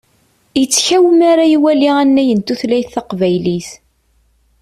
Ittkaw mi ara iwali annay n tutlayt taqbaylit.